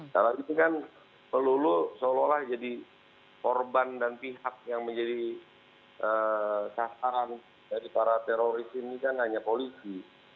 karena itu kan pelulu seolah olah jadi korban dan pihak yang menjadi sasaran dari para teroris ini kan hanya polisi